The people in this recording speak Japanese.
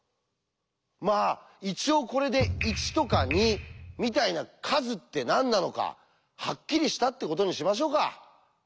まあ一応これで「１」とか「２」みたいな「数」って何なのかハッキリしたってことにしましょうか。